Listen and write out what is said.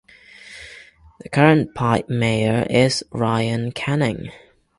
The current pipe major is Ryan Canning.